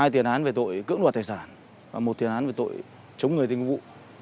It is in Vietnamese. hai tiền án về tội cưỡng đoạt tài sản và một tiền án về tội chống người tình vụ